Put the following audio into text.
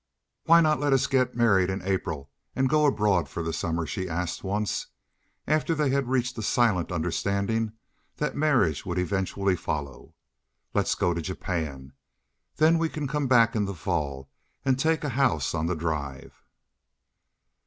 "Why not let us get married in April and go abroad for the summer?" she asked once, after they had reached a silent understanding that marriage would eventually follow. "Let's go to Japan. Then we can come back in the fall, and take a house on the drive."